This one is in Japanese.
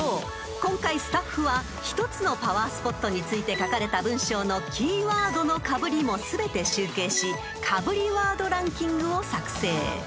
今回スタッフは１つのパワースポットについて書かれた文章のキーワードのかぶりも全て集計しかぶりワードランキングを作成］